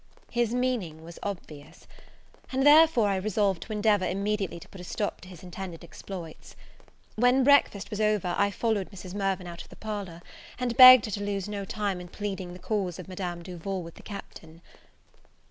His meaning was obvious: and, therefore, I resolved to endeavour immediately to put a stop to his intended exploits. When breakfast was over, I followed Mrs. Mirvan out of the parlour, and begged her to lose no time in pleading the cause of Madame Duval with the Captain.